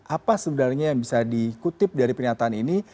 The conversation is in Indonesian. apa sebenarnya yang bisa dikutip dari pernyataan ini